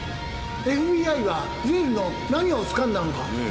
ＦＢＩはジュエルの何をつかんだのか？